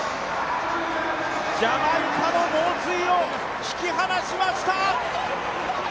ジャマイカの猛追を引き離しました！